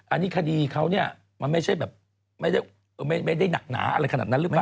อันนี้คดีเขาเนี่ยมันไม่ใช่แบบไม่ได้หนักหนาอะไรขนาดนั้นหรือเปล่า